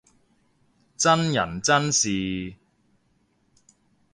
真人真事